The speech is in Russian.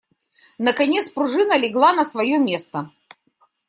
Наконец пружина легла на свое место.